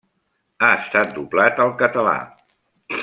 Ha estat doblat al català.